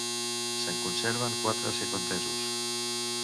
Se'n conserven quatre sirventesos.